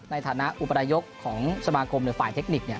ในฐานะอุบรายยกของสมากรมในฝ่าเทคนิค